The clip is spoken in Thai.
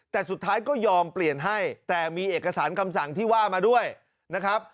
แต่สุดท้ายก็ยอมเปลี่ยนให้แต่มีเอกสารคำสั่งที่ว่ามาด้วยนะครับ